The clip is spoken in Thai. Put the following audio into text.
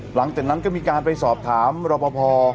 หลังจากนั้นก็มีการไปสอบถามรอปภ